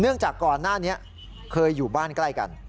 จากก่อนหน้านี้เคยอยู่บ้านใกล้กัน